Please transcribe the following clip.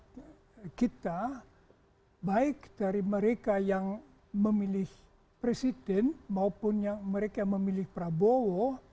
jadi kita baik dari mereka yang memilih presiden maupun mereka yang memilih prabowo